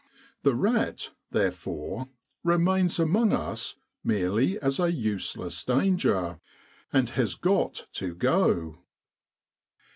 The rat, therefore, remains among us merely as a useless danger, and has got to go.